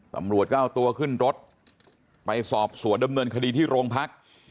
ตำรวจก็เอาตัวขึ้นรถไปสอบสวนดำเนินคดีที่โรงพัก